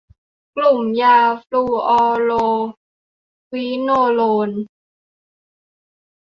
กลุ่มยาฟลูออโรควิโนโลน